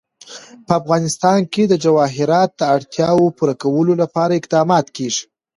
په افغانستان کې د جواهرات د اړتیاوو پوره کولو لپاره اقدامات کېږي.